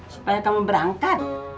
supaya kamu berangkat